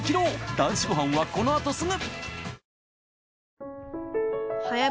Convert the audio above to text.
『男子ごはん』はこのあとすぐ！